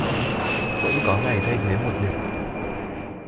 Bỗng có ngày thay thế một niềm vui